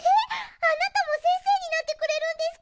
あなたもせんせいになってくれるんですか？